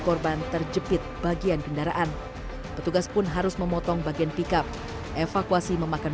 korban terjepit bagian kendaraan petugas pun harus memotong bagian pickup evakuasi memakan